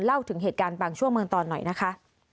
เล่าถึงเหตุการณ์บางช่วงเมืองตอนหน่อยนะคะ